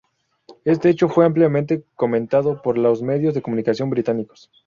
Este hecho fue ampliamente comentado por los medios de comunicación británicos.